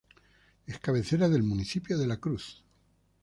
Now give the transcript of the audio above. Es cabecera del municipio de La Cruz.